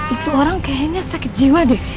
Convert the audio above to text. itu orang kayaknya sakit jiwa deh